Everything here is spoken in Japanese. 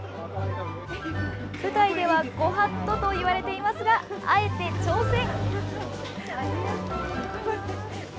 舞台ではご法度といわれていますが、あえて挑戦！